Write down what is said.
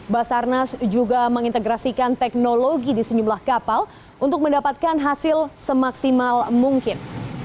basarnas juga mengintegrasikan teknologi di sejumlah kapal untuk mendapatkan hasil semaksimal mungkin